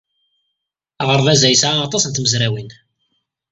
Aɣerbaz-a yesɛa aṭas n tmezrawin.